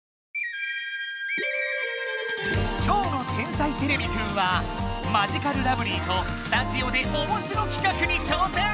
今日の「天才てれびくん」はマヂカルラブリーとスタジオでおもしろ企画にちょう戦！